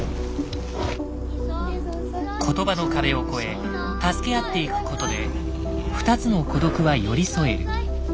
言葉の壁を超え助け合っていくことで２つの孤独は寄り添える。